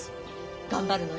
頑張るのよ。